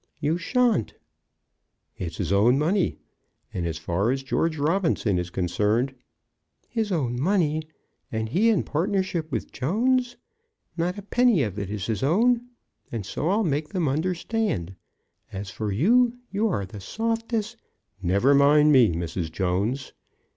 "You shan't!" "It's his own money, and, as far as George Robinson is concerned " "His own money, and he in partnership with Jones! Not a penny of it is his own, and so I'll make them understand. As for you, you are the softest " "Never mind me, Mrs. Jones."